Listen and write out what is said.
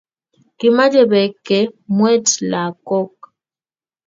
Kimache peek ke mwet lakok